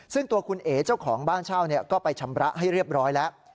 ซึ่งตัวคุณเอ๋เจ้าของบ้านเช่าก็ไปชำระให้เรียบร้อยแล้ว